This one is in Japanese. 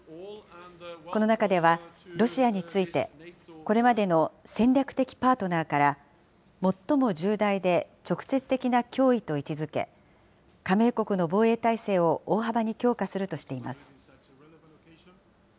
この中では、ロシアについて、これまでの戦略的パートナーから、最も重大で直接的な脅威と位置づけ、加盟国の防衛態勢を大幅に強化するとしています。